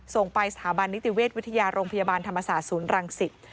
ส่งไปสถาบันนิติเวชวิทยาโรงพยาบาลธรรมศาสตร์ศูนย์รังสิต